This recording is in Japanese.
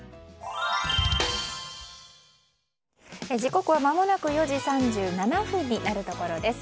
時刻はまもなく４時３７分になるところです。